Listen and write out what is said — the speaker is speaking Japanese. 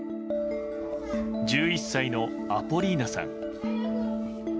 １１歳のアポリーナさん。